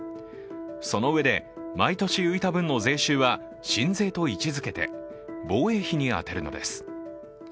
そのうえで毎年浮いた分の税収は新税と位置づけて防衛費に充てるのです。